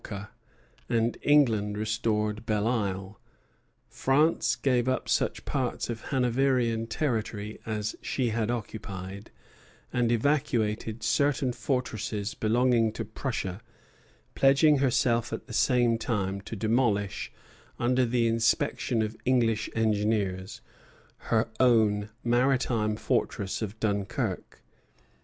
France restored Minorca, and England restored Belleisle; France gave up such parts of Hanoverian territory as she had occupied, and evacuated certain fortresses belonging to Prussia, pledging herself at the same time to demolish, under the inspection of English engineers, her own maritime fortress of Dunkirk.